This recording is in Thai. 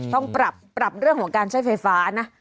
ต้องปรับเรื่องของการใช้ไฟฟ้านะ